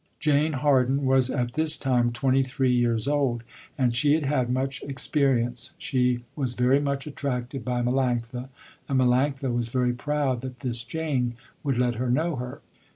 Jane Harden was at this time twenty three years old and she had had much experience. She was very much attracted by Melanctha, and Melanctha was very proud that this Jane would let her know her.